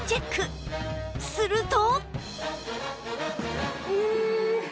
すると